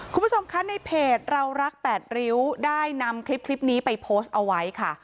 คุณผู้ชมคะในเพจเรารัก๘ริ้วได้นำคลิปนี้ไปโพสต์เอาไว้ค่ะ